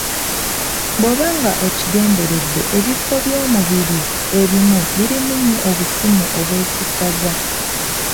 Bw’oba nga okigenderedde ebifo by'omubiri ebimu birimu nnyo obusimu obwesittaza.